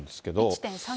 １．３